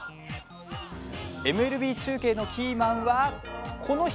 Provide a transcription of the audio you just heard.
ＭＬＢ中継のキーマンは、この人。